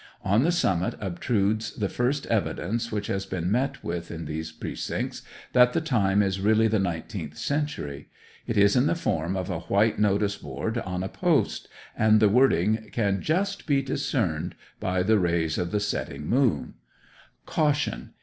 On the summit obtrudes the first evidence which has been met with in these precincts that the time is really the nineteenth century; it is in the form of a white notice board on a post, and the wording can just be discerned by the rays of the setting moon: CAUTION.